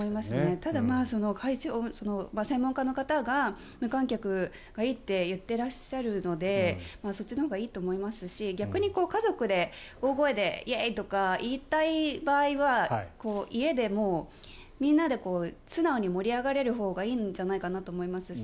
ただ、専門家の方が無観客がいいって言っていらっしゃるのでそっちのほうがいいと思いますし逆に家族で大声でイエー！とか言いたい場合は家でみんなで素直に盛り上がれるほうがいいんじゃないかなと思いますし